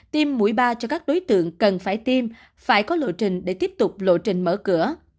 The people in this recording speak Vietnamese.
tiêm mũi ba cho các đối tượng cần phải tiêm phải có lộ trình để tiếp tục lộ trình mở cửa